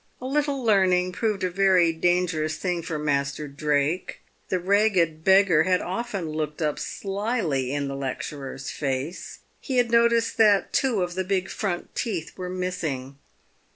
A little learning proved a very dangerous thing for Master Drake. The ragged beggar had often looked up slily in the lecturer's face. He had noticed that two of the big front teeth were missing.